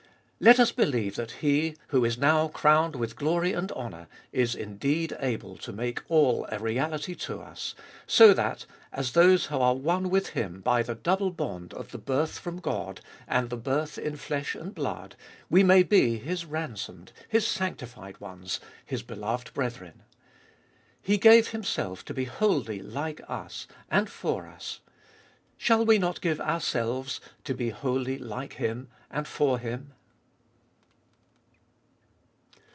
Let us believe that he, who is now crowned with glory and honour, is indeed able to make all a reality to us, so that, as those who are one with Him by 7 98 abe iboltest of BU the double bond of the birth from God, and the birth in flesh and blood, we may be His ransomed, His sanctified ones, His beloved brethren. He gave Himself to be wholly like us and for us — shall we not give ourselves to be wholly like Him and for Him?